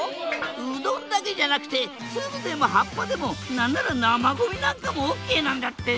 うどんだけじゃなくてツルでも葉っぱでも何なら生ゴミなんかもＯＫなんだって！